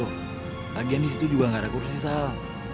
lagian disitu juga gak ada kursi sal